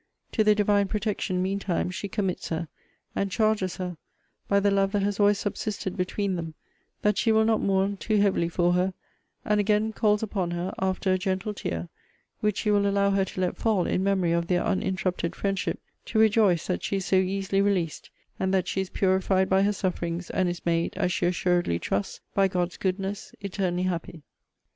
'To the Divine protection, mean time, she commits her; and charges her, by the love that has always subsisted between them, that she will not mourn too heavily for her; and again calls upon her, after a gentle tear, which she will allow her to let fall in memory of their uninterrupted friendship, to rejoice that she is so early released; and that she is purified by her sufferings, and is made, as she assuredly trusts, by God's goodness, eternally happy.'